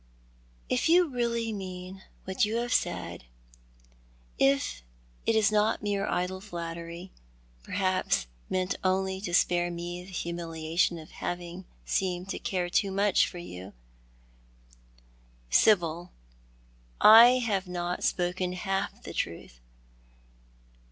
"If you really mean what you have said, if it is not mere idle flattery, pcrhajjs meant only to spare me tlie humiliation of having seemed to care too much for you "" Sibyl, I have not spoken half the truth."